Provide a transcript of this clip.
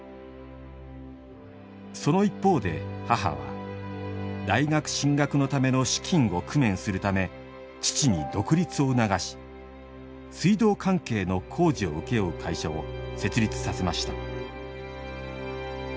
その一方で母は大学進学のための資金を工面するため父に独立を促し水道関係の工事を請け負う会社を設立させました。